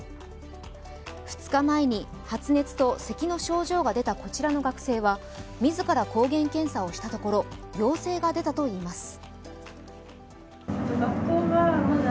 ２日前に発熱とせきの症状が出たこちらの学生は自ら抗原検査をしたところ陽性が出たといいます。